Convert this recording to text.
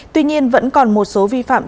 tuy nhiên vẫn còn một số vi phạm